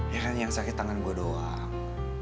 ya kan yang sakit tangan gue doang